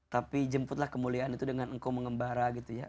tapi jemputlah kemuliaan itu dengan engkau mengembara gitu ya